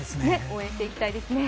応援していきたいですね